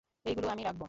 এইগুলা আমি রাখবো।